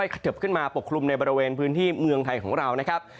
ฝนจากมาเลเซียก็จะค่อยขเติบขึ้นมาปกคลุมในบริเวณพื้นที่เมืองไทยของเรานะครับ